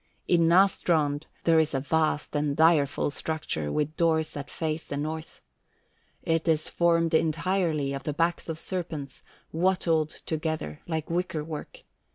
In Nastrond there is a vast and direful structure with doors that face the north. It is formed entirely of the backs of serpents, wattled together like wicker work.